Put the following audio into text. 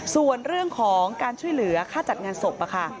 ส่วนเรื่องของการช่วยเหลือค่าจัดงานศพค่ะ